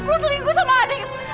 lu selingkuh sama adik